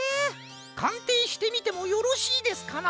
かんていしてみてもよろしいですかな？